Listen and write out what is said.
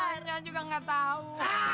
makanya juga nggak tahu